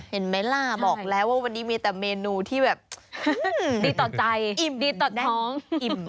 เห็นไหมล่ะบอกแล้วว่าวันนี้มีแต่เมนูที่แบบดีต่อใจอิ่มดีต่อท้องอิ่ม